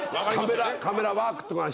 カメラワークとか。